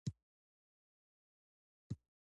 د دندې پر مهال په جرمونو محکوم کیدل.